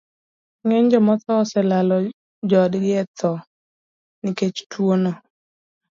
Ng'eny jomotho oselalo joodgi etho nikech tuwono.